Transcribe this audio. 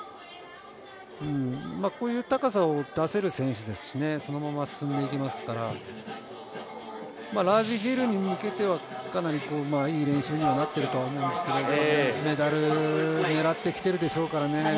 こういう高さを出せる選手ですし、そのまま進んでいきますからラージヒルに向けてはかなりいい練習にもなっていると思うんですけれども、メダル狙ってきてるでしょうからね。